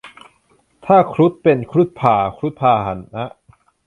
ถ้า ครุฑ เป็น ครุฑพ่าห์ ครุฑพาหนะ